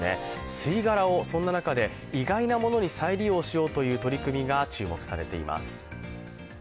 吸い殻をそんな中で意外なものに再利用しようという取り組みが注目されています。